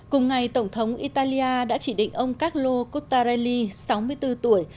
cùng ngày tổng thống italia đã chỉ định ông carlo kuttarely sáu mươi bốn tuổi